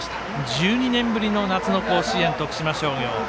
１２年ぶりの夏の甲子園徳島商業。